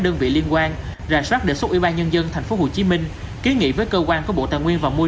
đơn vị liên quan rà soát đề xuất ủy ban nhân dân tp hcm kiến nghị với cơ quan của bộ tài nguyên và môi